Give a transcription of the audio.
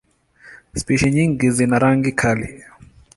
Spishi nyingi zina rangi kali.